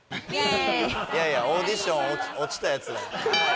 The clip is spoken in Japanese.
いやいやオーディション落ちたヤツやん。